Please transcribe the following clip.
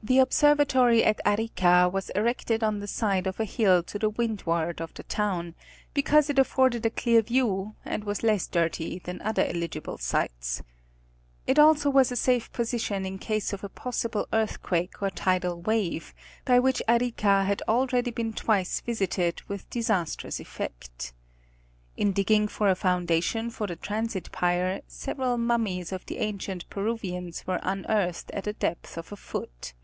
The observatory at Arica was erected on the side of a hill to the windward of the town, because it afforded a clear view, and was less dirty than other eligible sites. It also was a safe position in case of a possible earthquake or tidal wave, by which Arica had already been twice visited with disastrous effect. . In digging for a foundation for the transit pier, several mummies of the ancient Peruvians were unearthed at a depth of a foot.